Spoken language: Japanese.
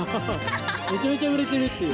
めちゃめちゃ売れてるっていう。